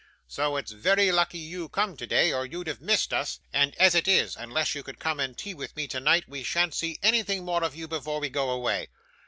So it's very lucky you come today, or you'd have missed us; and as it is, unless you could come and tea with me tonight, we shan't see anything more of you before we go away.